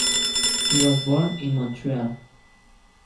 He was born in Montreal.